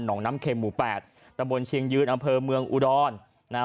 งน้ำเข็มหมู่แปดตะบนเชียงยืนอำเภอเมืองอุดรนะฮะ